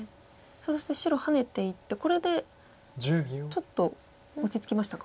そして白ハネていってこれでちょっと落ち着きましたか？